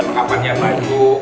pekan pekan yang baju